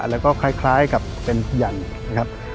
แล้วก็คล้ายกับเป็นยันทร์